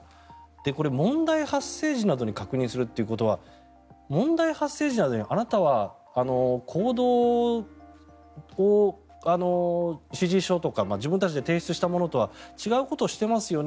これ、問題発生時などに確認するということは問題発生時などにあなたは行動指示書とか自分たちで提出したものとは違うことをしていますよね？